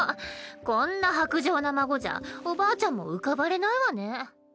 こんな薄情な孫じゃおばあちゃんも浮かばれないわね。